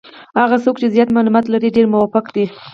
هغه څوک چې زیات معلومات لري ډېر موفق دي.